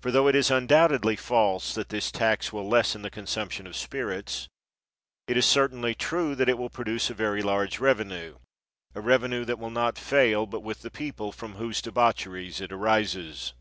For tho it is undoubtedly false that this tax will lessen the consumption of spirits, it is certainly true that it will pro duce a very large revenue — a revenue that will not fail but with the people from whose de baucheries it arises.